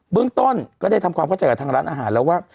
เรื่องต้นก็ได้ทำความเข้าใจกับทางร้านอาหารแล้วว่า